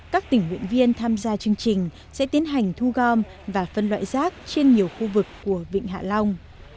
các tỉnh nguyện viên tham gia chương trình sẽ tiến hành thu gom và phân loại rác trên nhiều khu vực của vịnh hạ long